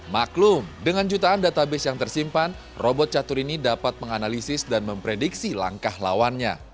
maklum dengan jutaan database yang tersimpan robot catur ini dapat menganalisis dan memprediksi langkah lawannya